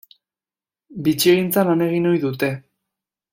Bitxigintzan lan egin ohi dute.